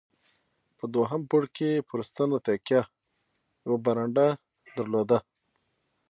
په دوهم پوړ کې یې پر ستنو تکیه، یوه برنډه درلوده.